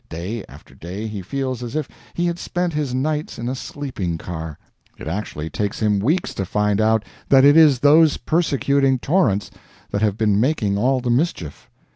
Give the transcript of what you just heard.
Day after day he feels as if he had spent his nights in a sleeping car. It actually takes him weeks to find out that it is those persecuting torrents that have been making all the mischief.